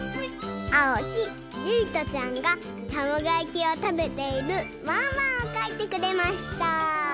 あおきゆいとちゃんがたまごやきをたべているワンワンをかいてくれました！